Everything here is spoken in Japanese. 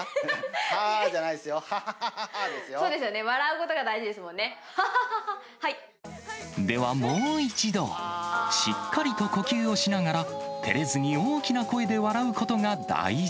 ハーじゃないですよ、はははははそうですよね、笑うことが大では、もう一度。しっかりと呼吸をしながら、てれずに大きな声で笑うことが大事。